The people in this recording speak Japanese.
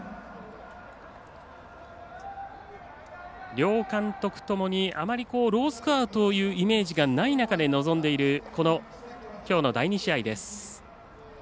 両監督ともにあまりロースコアというイメージがない中で臨んでいるこのきょうの第２試合です。